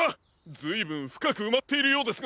ずいぶんふかくうまっているようですが。